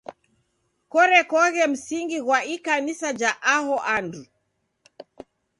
Korekoghe msingi ghwa ikanisa ja aho andu.